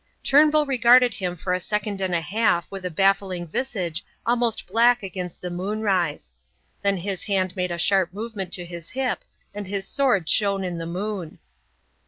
Turnbull regarded him for a second and a half with a baffling visage almost black against the moonrise; then his hand made a sharp movement to his hip and his sword shone in the moon.